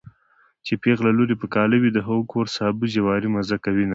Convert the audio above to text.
چې پېغله لور يې په کاله وي د هغه کور سابه جواری مزه کوينه